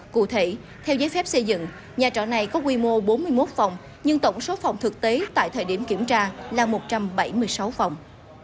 cụ thể theo giấy phép xây dựng nhà trọ này có quy mô bốn mươi một phòng nhưng tổng số phòng thực tế tại thời điểm kiểm tra là một trăm bảy mươi sáu phòng